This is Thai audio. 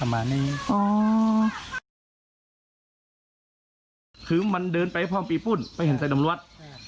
มันเดินไปพร้อมปีปุ่นไม่เห็นใส่ดำลวัด